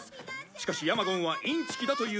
しかしヤマゴンはインチキだといううわさも。